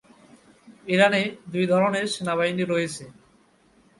ইরানে দুই ধরনের সেনাবাহিনী রয়েছে।